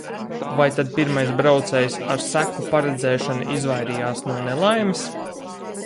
Vai tad pirmais braucējs ar seku paredzēšanu izvairījās no nelaimes?